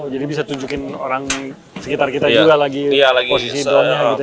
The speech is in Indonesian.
jadi bisa tunjukin orang sekitar kita juga lagi posisi drone nya gitu ya